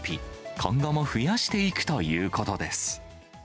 今後も増やしていくということです。